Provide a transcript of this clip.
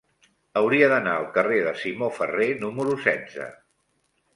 Hauria d'anar al carrer de Simó Ferrer número setze.